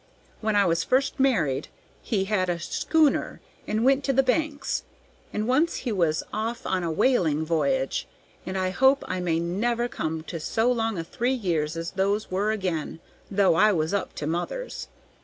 When I was first married 'he' had a schooner and went to the banks, and once he was off on a whaling voyage, and I hope I may never come to so long a three years as those were again, though I was up to mother's.